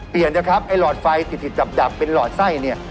เปลี่ยนลอดไฟติดดับเป็นลอดไส้